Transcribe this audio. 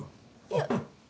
いや。